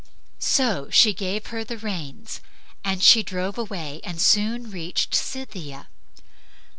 So she gave her the reins, and she drove away and soon reached Scythia.